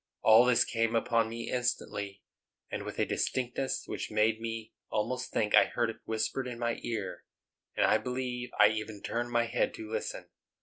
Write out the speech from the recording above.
All this came upon me instantly, and with a distinctness which made me almost think I heard it whispered in my ear; and I believe I even turned my head to listen.